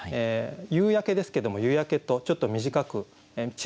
夕焼けですけども「夕焼」とちょっと短く縮めています。